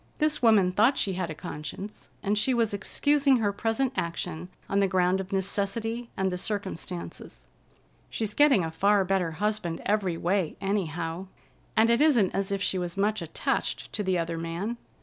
This woman thought she had a conscience, and she was excusing her present action on the ground of necessity, and the circumstances. "She's getting a far better husband every way, anyhow, and it isn't as if she was much attached to the other man.